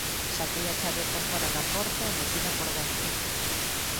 Saquei a chave por fóra da porta e metina por dentro.